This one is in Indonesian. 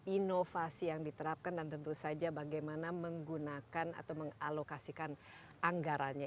inovasi yang diterapkan dan tentu saja bagaimana menggunakan atau mengalokasikan anggarannya